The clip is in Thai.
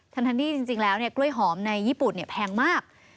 ทั้งที่จริงแล้วกล้วยหอมในญี่ปุ่นแพงมาก